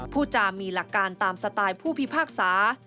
ผู้จามีหลักการตามสไตล์ผู้พิพากษา